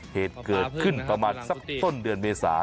เหตุเกิดขึ้นประมาณสักต้นเดือนเมษา